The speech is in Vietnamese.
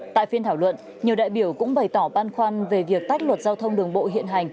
tại phiên thảo luận nhiều đại biểu cũng bày tỏ băn khoăn về việc tách luật giao thông đường bộ hiện hành